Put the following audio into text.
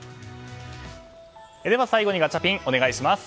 最後にガチャピンお願いします。